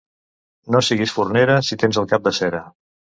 No siguis fornera, si tens el cap de cera.